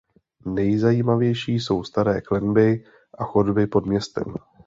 Nejzajímavější jsou staré klenby a chodby pod městem.